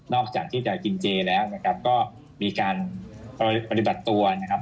จากที่จะกินเจแล้วนะครับก็มีการปฏิบัติตัวนะครับ